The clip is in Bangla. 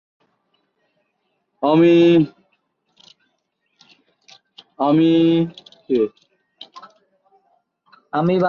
তার সমৃদ্ধ প্রচেষ্টা বাকু স্টেট ইউনিভার্সিটি আজারবাইজানের একটি প্রধান বৈজ্ঞানিক ও শিক্ষা কেন্দ্র হয়েছে।